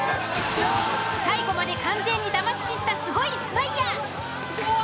最後まで完全に騙しきったスゴいスパイや。